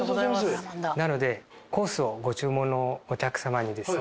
なのでコースをご注文のお客さまにですね